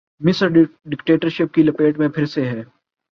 مصر ڈکٹیٹرشپ کی لپیٹ میں پھر سے ہے۔